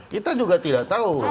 kita juga tidak tahu